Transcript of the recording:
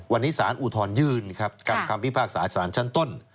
วันนี้สารอุทธรณ์ยืนกับพิพากษาสารชั้นต้น